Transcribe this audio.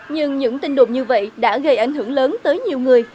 nhưng những tin đột như vậy đã gây ảnh hưởng lớn tới nhiều người